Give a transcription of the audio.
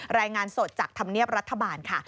รายงานสดจากธรรมเนียบรัฐบาลค่ะ